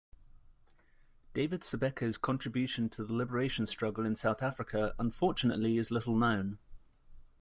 David Sibeko's contribution to the liberation struggle in South Africa unfortunately is little known.